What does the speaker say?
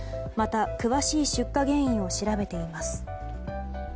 また、詳しい出火原因を調べています。